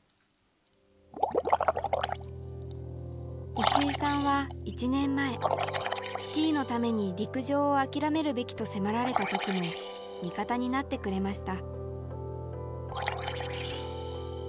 石井さんは１年前スキーのために陸上を諦めるべきと迫られた時も味方になってくれました。